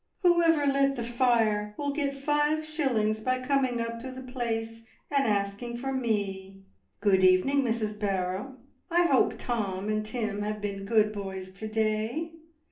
"Whoever lit the fire will get five shillings by com ing up to the Place and asking for me. Good even ing, Mrs. Barrow; I hope Tom and Tim have been good boys to day."